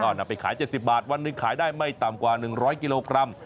ก็นำไปขาย๗๐บาทวันหนึ่งขายได้ไม่ต่ำกว่า๑๐๐กิโลกรัม